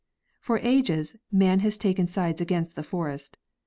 For ages man has taken sides against the forest.